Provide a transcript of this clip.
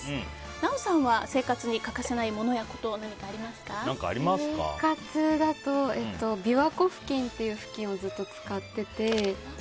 奈緒さんは生活に欠かせないものやこと生活だとびわこふきんという、ふきんをずっと使っていて。